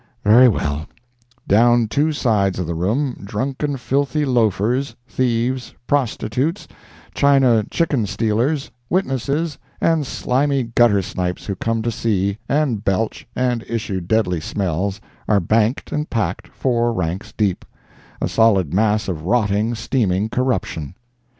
Very well; down two sides of the room, drunken filthy loafers, thieves, prostitutes, China chicken stealers, witnesses, and slimy guttersnipes who come to see, and belch and issue deadly smells, are banked and packed, four ranks deep—a solid mass of rotting, steaming corruption.